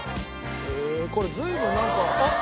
これ随分なんかあっ！